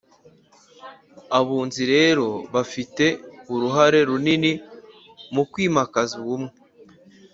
abunzi rero bafite uruhare runini mu kwimakaza ubumwe